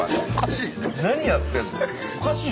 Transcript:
何やってんだよ。